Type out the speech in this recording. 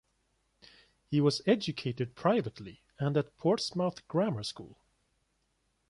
He was educated privately and at Portsmouth Grammar School.